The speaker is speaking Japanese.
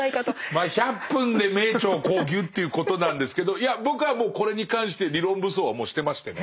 まあ１００分で名著をこうギュッていうことなんですけどいや僕はもうこれに関して理論武装はもうしてましてね。